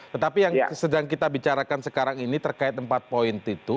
tetapi yang sedang kita bicarakan sekarang ini terkait empat poin itu